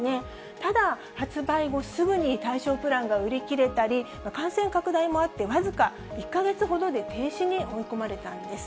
ただ、発売後すぐに対象プランが売り切れたり、感染拡大もあって、僅か１か月ほどで停止に追い込まれたんです。